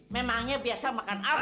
memangnya biasa makan apa